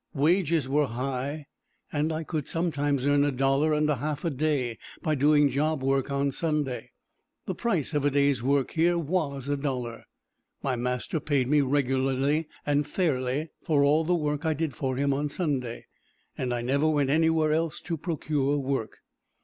Wages were high, and I could sometimes earn a dollar and a half a day by doing job work on Sunday. The price of a day's work here was a dollar. My master paid me regularly and fairly for all the work I did for him on Sunday, and I never went anywhere else to procure work.